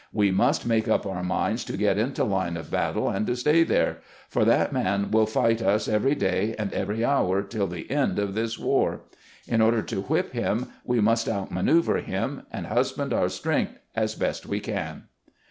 We must make up our minds to get into line of battle and to stay there ; for that man will fight us every day and every hour till the end of this war. In order to whip him we must outmanoeuver him, and hus band our strength as best we can."